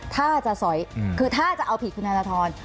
ถ้าจะเอาผิดคุณธนทร